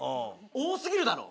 多すぎるだろ。